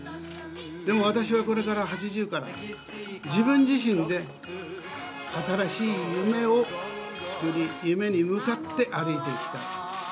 でも私はこれから、８０から、自分自身で新しい夢を作り、夢に向かって歩いていきたい。